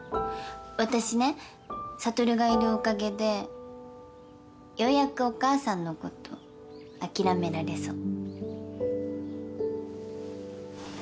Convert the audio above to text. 私ね悟がいるおかげでようやくお母さんのこと諦められそう。